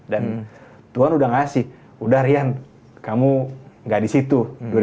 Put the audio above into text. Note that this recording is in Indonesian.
tuhan udah ngasih udah rian kamu gak di situ